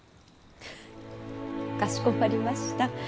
フッかしこまりました。